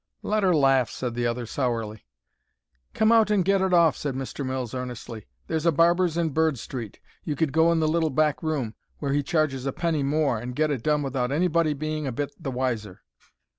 "Let her laugh," said the other, sourly. "Come out and get it off," said Mr. Mills, earnestly. "There's a barber's in Bird Street; you could go in the little back room, where he charges a penny more, and get it done without anybody being a bit the wiser."